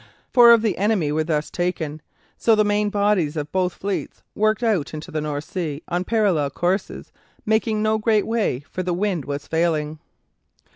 Four of the enemy were thus taken. So the main bodies of both fleets worked out into the North Sea on parallel courses, making no great way, for the wind was falling.